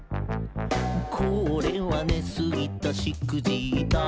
「これは寝すぎたしくじった」